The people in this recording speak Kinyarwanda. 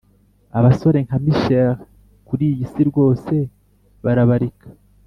abasore nka michel kuriyisi rwose barabarika